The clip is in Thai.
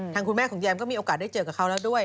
คุณแม่ของแยมก็มีโอกาสได้เจอกับเขาแล้วด้วย